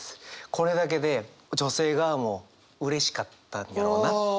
これだけで女性がもううれしかったんやろうな。